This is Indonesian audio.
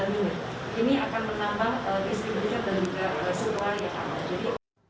selain itu kami juga menambahkan kemampuan untuk memastikan pasokan bbm hingga ke konsumen